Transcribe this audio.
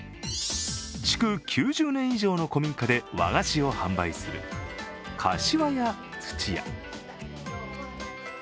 築９０年以上の古民家で和菓子を販売する柏屋つちや。